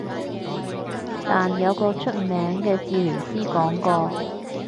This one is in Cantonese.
但有個出名嘅治療師講過